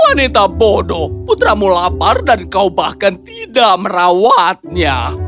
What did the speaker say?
wanita bodoh putramu lapar dan kau bahkan tidak merawatnya